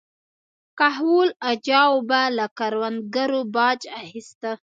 کهول اجاو به له کروندګرو باج اخیسته